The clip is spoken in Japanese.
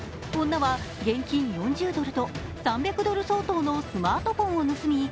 女は現金４０ドルと３００ドル相当のスマートフォンを盗み